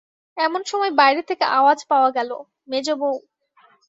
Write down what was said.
এমন সময় বাইরে থেকে আওয়াজ পাওয়া গেল, মেজোবউ।